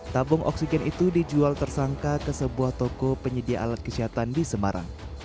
tabung oksigen itu dijual tersangka ke sebuah toko penyedia alat kesehatan di semarang